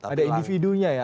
ada individunya ya